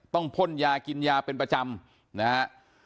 พ่นยากินยาเป็นประจำนะฮะ